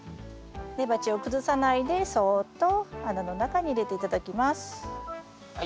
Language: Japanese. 根鉢を崩さないでそっと穴の中に入れて頂きます。